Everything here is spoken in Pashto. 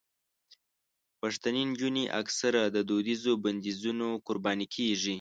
پښتنې نجونې اکثره د دودیزو بندیزونو قرباني کېږي.